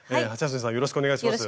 よろしくお願いします。